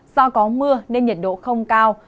do có mưa nên nhiệt độ không cao